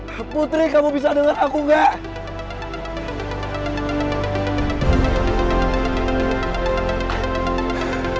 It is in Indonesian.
pak putri kamu bisa denger aku nggak